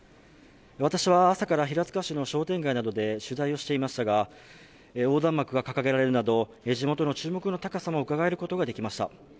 私は朝から平塚市の商店街などで取材をしていましたが横断幕が掲げられるなど地元の注目の高さをうかがうことができました。